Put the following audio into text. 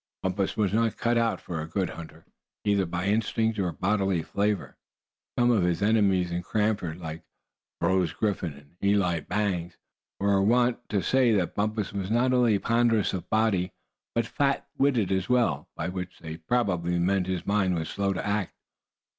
Bumpus was not cut out for a good hunter, either by instinct or bodily favor. Some of his enemies in Cranford, like Brose Griffin and Eli Bangs, were wont to say that Bumpus was not only ponderous of body, but "fat witted" as well, by which they probably meant his mind was slow to act.